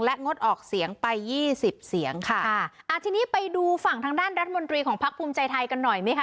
งดออกเสียงไปยี่สิบเสียงค่ะค่ะอ่าทีนี้ไปดูฝั่งทางด้านรัฐมนตรีของพักภูมิใจไทยกันหน่อยไหมคะ